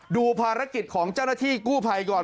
ดูภารกิจของเจ้าหน้าที่กู้ภัยก่อน